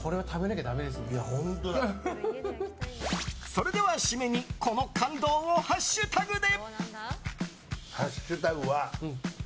それでは、締めにこの感動をハッシュタグで！